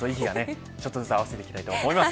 ちょっとずつ合わせていきたいと思います。